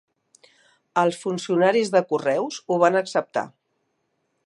Els funcionaris de correus ho van acceptar.